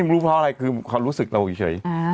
รู้เพราะอะไรคือความรู้สึกเราเฉย